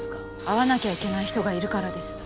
会わなきゃいけない人がいるからです。